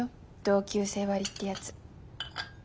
同級生割ってやつ。